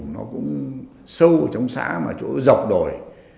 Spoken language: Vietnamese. nó cũng sâu trong xã mà chỗ dọc đổi